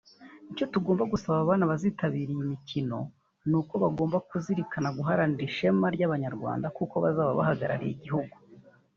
Icyo dusaba abana bazitabira iyi mikino ni uko bagomba kuzirikana guharanira ishema ry’abanyarwanda kuko bazaba bahagarariye igihugu